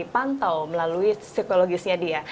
pantau melalui psikologisnya dia